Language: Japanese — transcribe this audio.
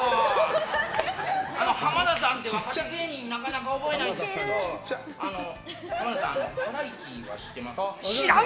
あの、浜田さんって若手芸人なかなか覚えないんですけど、浜田さんハライチは知ってます？